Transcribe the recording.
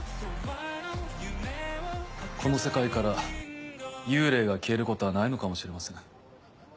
この世界から幽霊が消えることはないのかもしれません。